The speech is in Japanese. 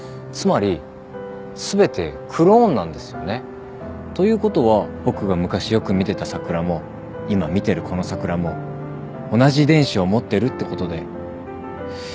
つまり全てクローンなんですよね。ということは僕が昔よく見てた桜も今見てるこの桜も同じ遺伝子を持ってるってことで。